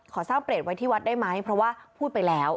สร้างเปรตไว้ที่วัดได้ไหมเพราะว่าพูดไปแล้ว